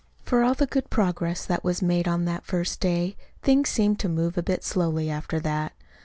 For all the good progress that was made on that first day, things seemed to move a bit slowly after that.